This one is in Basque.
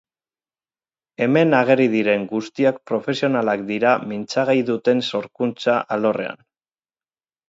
Hemen ageri diren guztiak profesionalak dira mintzagai duten sorkuntza alorrean.